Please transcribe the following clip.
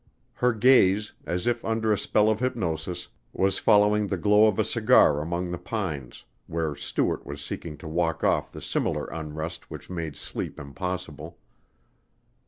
Her gaze, as if under a spell of hypnosis, was following the glow of a cigar among the pines, where Stuart was seeking to walk off the similar unrest which made sleep impossible.